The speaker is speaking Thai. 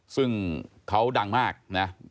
ซึ่งเขาดังมากนะ